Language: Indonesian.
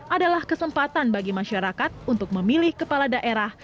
adalah kesempatan bagi masyarakat untuk memilih kepala daerah